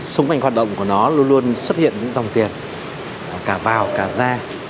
xung quanh hoạt động của nó luôn luôn xuất hiện những dòng tiền cả vào cả ra